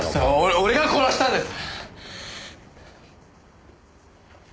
俺が殺したんです！